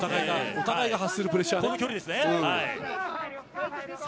お互いが発するプレッシャー。